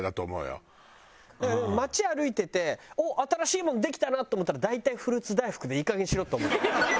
街歩いてておっ新しいものできたなと思ったら大体フルーツ大福でいい加減にしろ！って思う。